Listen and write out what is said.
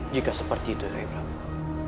jika seperti itu rai prabu